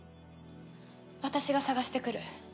私が捜してくる。